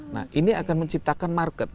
nah ini akan menciptakan market